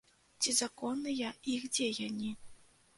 Ці законныя іх дзеянні?